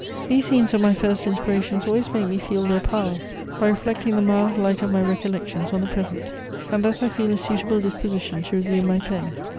These scenes of my first inspirations always make me feel their power, by reflecting the mild light of my recollections on the present ; and thus I feel a suitable disposition to resume my pen.